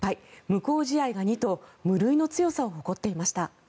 無効試合が２と無類の強さを誇っていました。